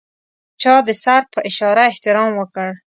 چا د سر په اشاره احترام وکړ.